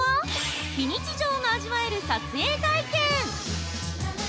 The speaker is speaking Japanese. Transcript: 非日常が味わえる撮影体験。